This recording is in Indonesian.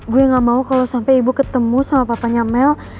gue gak mau kalau sampai ibu ketemu sama papanya mel